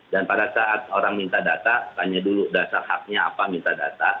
dan pada saat orang minta data tanya dulu dasar haknya apa minta data